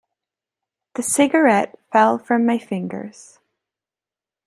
The cigarette fell from my fingers.